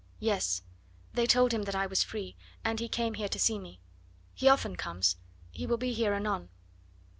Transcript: "Yes. They told him that I was free. And he came here to see me. He often comes; he will be here anon."